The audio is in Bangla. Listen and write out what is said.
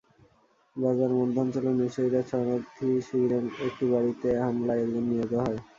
গাজার মধ্যাঞ্চলে নুসেইরাত শরণার্থী শিবিরের একটি বাড়িতে হামলায় একজন নিহত হয়।